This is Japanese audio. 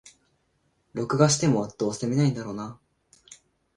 録画しても、どうせ観ないんだろうなあ